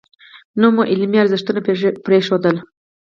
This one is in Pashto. نه مو علمي ارزښتونه پرېښودل.